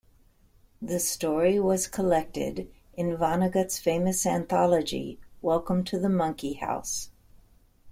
The story was collected in Vonnegut's famous anthology "Welcome to the Monkey House".